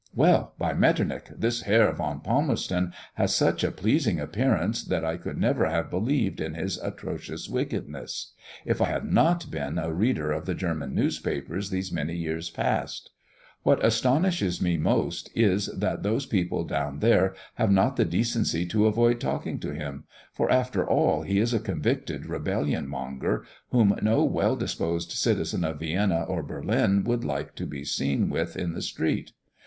Well, by Metternich! this Herr von Palmerston has such a pleasing appearance, that I could never have believed in his atrocious wickedness, if I had not been a reader of the German newspapers these many years past. What astonishes me most is, that those people down there have not the decency to avoid talking to him, for, after all, he is a convicted rebellion monger, whom no well disposed citizen of Vienna or Berlin would like to be seen with in the street.